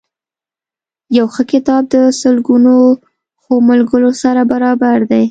یو ښه کتاب د سلګونو ښو ملګرو سره برابر دی.